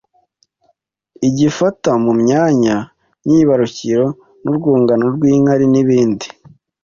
igifata mu myanya myibarukiro n’urwungano rw’inkari n’ibindi.